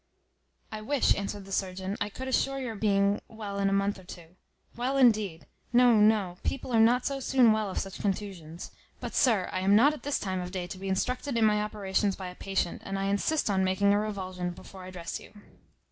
"I wish," answered the surgeon, "I could assure your being well in a month or two. Well, indeed! No, no, people are not so soon well of such contusions; but, sir, I am not at this time of day to be instructed in my operations by a patient, and I insist on making a revulsion before I dress you."